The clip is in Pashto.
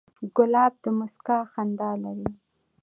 ګلاب د موسکا خندا لري.